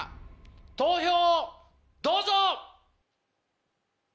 投票をどうぞ！